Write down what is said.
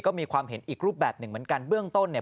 ก็มีความเห็นอีกรูปแบบหนึ่งเหมือนกัน